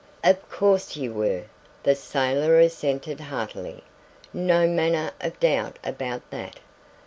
"Of course you were," the sailor assented heartily. "No manner of doubt about that.